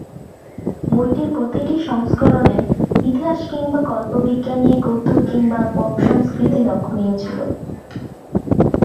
বইটির প্রতিটি সংস্করণে ইতিহাস কিংবা কল্পবিজ্ঞান নিয়ে কৌতুক কিংবা পপ সংস্কৃতি লক্ষণীয় ছিল।